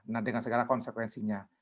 nah dengan segala konsekuensinya